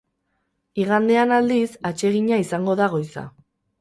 Igandean, aldiz, atsegina izango da goiza.